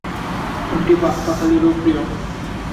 ফলটি পাখ-পাখালিরও প্রিয়।